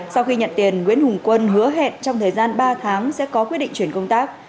sau khi nhận tiền nguyễn hùng quân hứa hẹn trong thời gian ba tháng sẽ có quyết định chuyển công tác